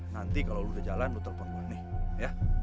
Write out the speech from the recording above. nanti kalau lo udah jalan lo telepon gue nih ya